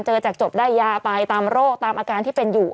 จากจบได้ยาไปตามโรคตามอาการที่เป็นอยู่